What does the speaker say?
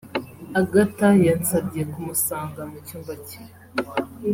Agatha yansabye kumusanga mu cyumba cye